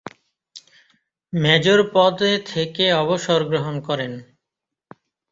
Major পদে থেকে অবসর গ্রহণ করেন।